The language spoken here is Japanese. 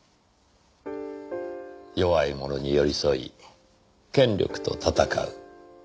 弱い者に寄り添い権力と戦う。